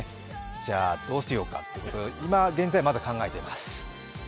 じゃあ、どうしようかということで今現在まだ考えています。